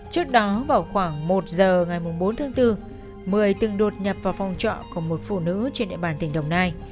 trước đó vào khoảng một giờ ngày bốn tháng bốn một mươi từng đột nhập vào phòng trọ của một phụ nữ trên đại bàn tỉnh đồng nai